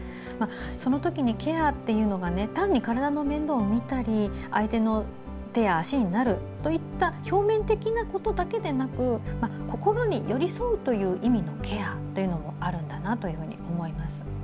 そのときに、ケアというのが単に体の面倒を見たり相手の手や足になるといった表面的なことだけでなく心に寄り添うという意味のケアもあるんだなと思います。